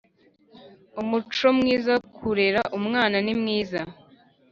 Umuco mwiza wo kurera umwana nimwiza.